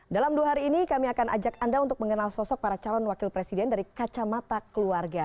dalam dua hari ini kami akan ajak anda untuk mengenal sosok para calon wakil presiden dari kacamata keluarga